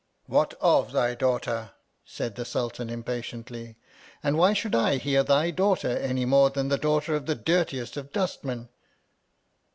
What of thy daughter ? said the Sultan impatiently, and why should I hear thy daughter any j more than the daughter of the dirtiest of the j dustmen